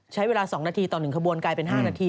ใช้เวลา๒นาทีต่อ๑ขบวนกลายเป็น๕นาที